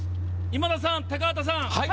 今田さん、高畑さん。